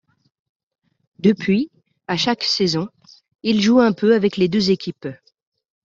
Depuis à chaque saison, il joue un peu avec les deux équipes.